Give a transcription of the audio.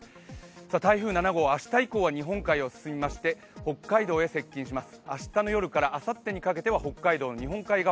台風７号、明日以降は日本海を進みまして北海道へ接近します。